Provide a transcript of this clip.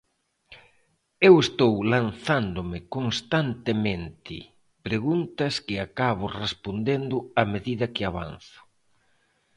Eu estou lanzándome constantemente preguntas que acabo respondendo a medida que avanzo.